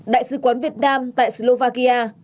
đại sứ quán việt nam tại slovakia